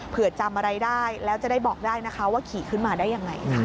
จำอะไรได้แล้วจะได้บอกได้นะคะว่าขี่ขึ้นมาได้ยังไงค่ะ